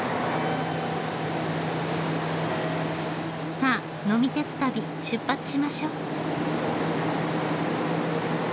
さあ呑み鉄旅出発しましょ。